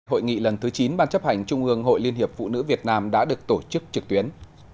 hội nghị lần thứ chín ban chấp hành trung ương hội liên hiệp phụ nữ việt nam đã được tổ chức trực tuyến